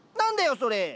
それ。